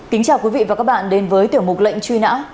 kính chào quý vị và các bạn đến với tiểu mục lệnh truy nã